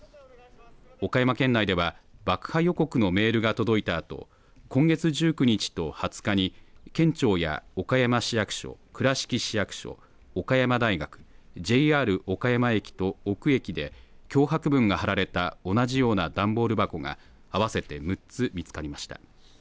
岡山県内では爆破予告のメールが届いたあと今月１９日と２０日に県庁や岡山市役所、倉敷市役所岡山大学、ＪＲ岡山駅と邑久駅で脅迫文が貼られた同じような段ボール箱が合わせて６つ見つかりました。